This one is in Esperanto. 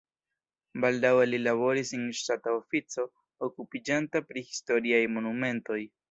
Baldaŭe li laboris en ŝtata ofico okupiĝanta pri historiaj monumentoj.